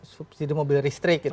subsidi mobil listrik gitu